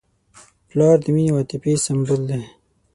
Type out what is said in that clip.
پلار د مینې او عاطفې سمبول دی.